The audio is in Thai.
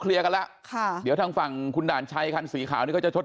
เคลียร์กันละเดี๋ยวทางฝั่งคุณด่านชัยคันสีขาวนี้ก็จะชด